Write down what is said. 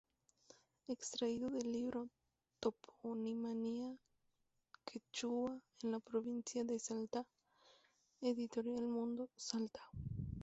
Extraído del libro "Toponimia Quechua en la Provincia de Salta", Editorial Mundo, Salta.